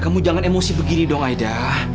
kamu jangan emosi begini dong aida